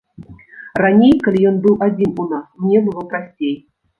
Раней, калі ён быў адзін у нас, мне было прасцей.